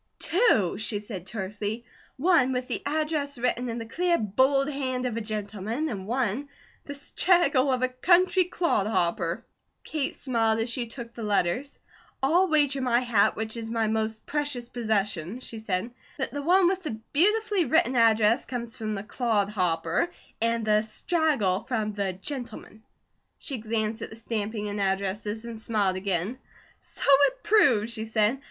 "Two," she said tersely. "One, with the address written in the clear, bold hand of a gentleman, and one, the straggle of a country clod hopper." Kate smiled as she took the letters: "I'll wager my hat, which is my most precious possession," she said, "that the one with the beautifully written address comes from the 'clod hopper,' and the 'straggle' from the 'gentleman.'" She glanced at the stamping and addresses and smiled again: "So it proves," she said.